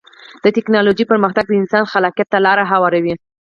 د ټکنالوجۍ پرمختګ د انسان خلاقیت ته لاره هواروي.